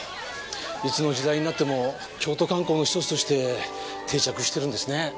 いつの時代になっても京都観光のひとつとして定着してるんですね。